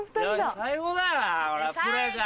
最高だよな